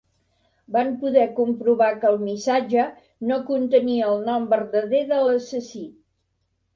Van poder comprovar que el missatge, no contenia el nom verdader de l'assassí.